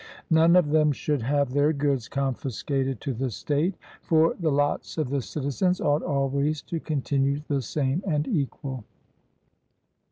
None of them should have their goods confiscated to the state, for the lots of the citizens ought always to continue the same and equal.